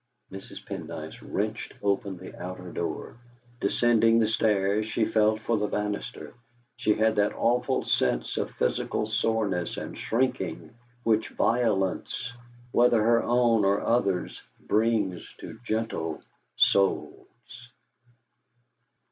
Mrs. Pendyce wrenched open the outer door. Descending the stairs, she felt for the bannister. She had that awful sense of physical soreness and shrinking which violence, whether their own or others', brings to gentle souls.